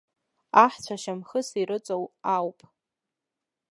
Аҳцәа шьамхыс ирыҵоу ауп.